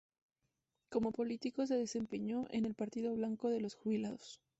Como político se desempeñó en el Partido Blanco de los Jubilados.